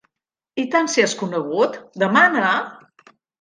I tant si és conegut, demana!